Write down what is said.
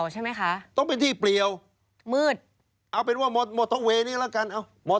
ใช่ไหมคะต้องเป็นที่เปรียวมืดเอาเป็นว่านี่แล้วกันเอา